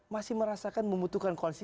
masih merasakan membutuhkan koalisi